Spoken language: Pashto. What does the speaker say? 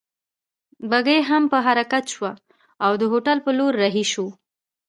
بګۍ هم په حرکت شوه او د هوټل په لور رهي شوو.